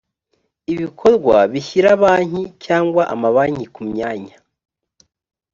ibikorwa bishyira banki cyangwa amabanki kumyanya